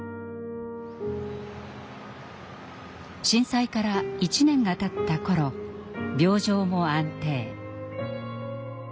震災から１年がたった頃病状も安定。